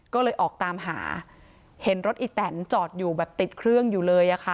ก็เลยออกตามหาเห็นรถอีแตนจอดอยู่แบบติดเครื่องอยู่เลยอะค่ะ